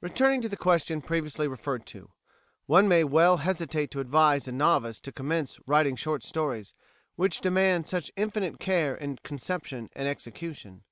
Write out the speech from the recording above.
Returning to the question previously referred to, one may well hesitate to advise a novice to commence writing short stories which demand such infinite care in conception and execution.